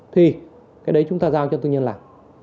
thì cái đấy chúng ta giao cho tư nhân làm